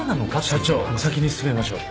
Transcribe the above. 社長先に進めましょう。